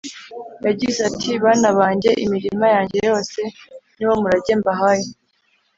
Yagize ati : “Bana bange, imirima yange yose ni wo murage mbahaye